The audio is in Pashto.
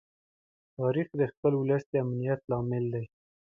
تاریخ د خپل ولس د امنیت لامل دی.